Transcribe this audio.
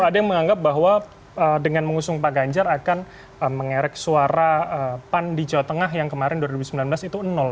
ada yang menganggap bahwa dengan mengusung pak ganjar akan mengerek suara pan di jawa tengah yang kemarin dua ribu sembilan belas itu nol